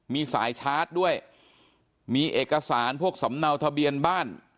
มีสายชาร์จด้วยมีเอกสารพวกสำเนาทะเบียนบ้าน